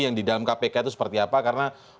yang di dalam kpk itu seperti apa karena